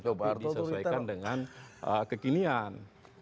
tapi disesuaikan dengan kekinian